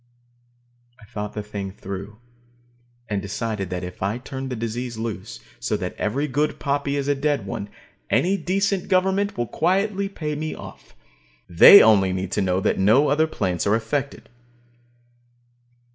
I thought the thing through, and decided that if I turned the disease loose, so that every good poppy is a dead one, any decent government will quietly pay me off. They only need to know that no other plants are affected.